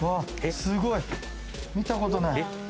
すごい、見たことない！